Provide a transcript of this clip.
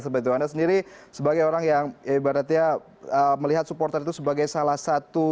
sebagai tuan tuan sendiri sebagai orang yang ibaratnya melihat supporter itu sebagai salah satu